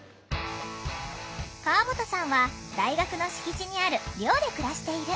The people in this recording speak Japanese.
川本さんは大学の敷地にある寮で暮らしている。